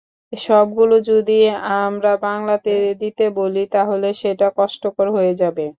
সবগুলো যদি আমরা বাংলাতে দিতে বলি, তাহলে সেটা কষ্টকর হয়ে যাবে।